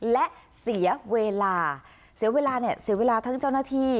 และเสียเวลาเสียเวลาเนี่ยเสียเวลาทั้งเจ้าหน้าที่